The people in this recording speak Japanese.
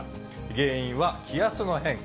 原因は気圧の変化。